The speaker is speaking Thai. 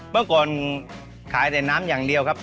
เมื่อก่อนขายแต่น้ำอย่างเดียวครับ